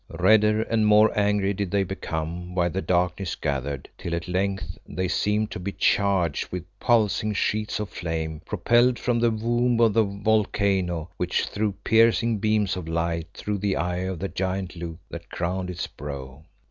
Redder and more angry did they become while the darkness gathered, till at length they seemed to be charged with pulsing sheets of flame propelled from the womb of the volcano, which threw piercing beams of light through the eye of the giant loop that crowned its brow.